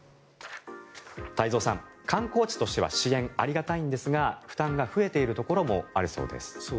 太蔵さん、観光地としては支援、ありがたいんですが負担が増えているところもあるそうです。